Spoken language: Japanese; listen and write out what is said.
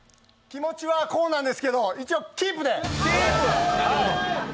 気持ちは買うなんですけど、一応キープで。